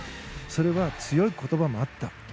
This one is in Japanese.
それは強い言葉もあった。